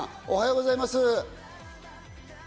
おはようございます。